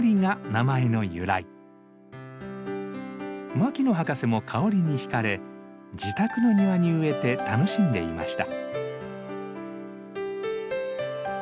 牧野博士も香りに惹かれ自宅の庭に植えて楽しんでいました。